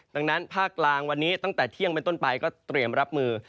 ดังนั้นภาคกลางวันนี้ตั้งแต่เที่ยงเป็นต้นไปก็เตรียมรับมือ